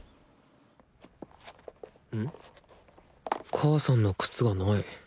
母さんの靴がない。